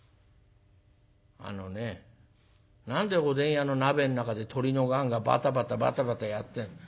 「あのね何でおでん屋の鍋の中で鳥の雁がバタバタバタバタやってんの。